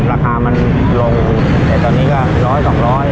ราคามันลงแต่ตอนนี้ก็๑๐๐๒๐๐บาท